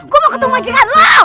gua mau ketemu majikan lu